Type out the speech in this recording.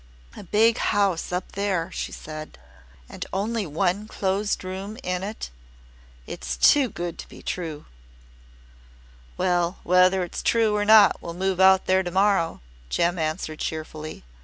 "A big house up there," she said. "And only one closed room in it. It's too good to be true!" "Well, whether it's true or not we'll move out there to morrow," Jem answered cheerfully.